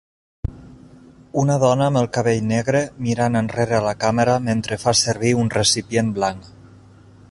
Una dona amb el cabell negre mirant enrere a la càmera mentre fa servir un recipient blanc.